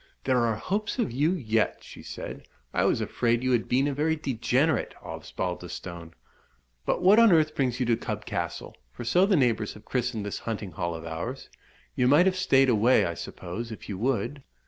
"There are hopes of you yet," she said. "I was afraid you had been a very degenerate Osbaldistone. But what on earth brings you to Cub Castle? for so the neighbours have christened this hunting hall of ours. You might have stayed away, I suppose, if you would?"